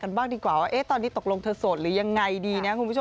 บ้างดีกว่าว่าตอนนี้ตกลงเธอโสดหรือยังไงดีนะคุณผู้ชม